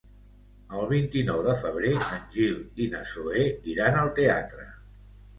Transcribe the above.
El vint-i-nou de febrer en Gil i na Zoè iran al teatre.